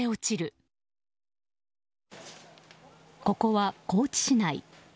ここは高知市内。